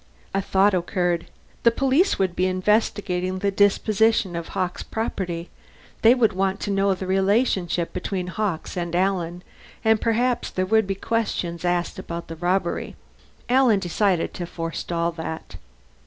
A thought occurred. The police would be investigating the disposition of Hawkes' property; they would want to know the relationship between Hawkes and Alan, and perhaps there would be questions asked about the robbery. Alan decided to forestall that.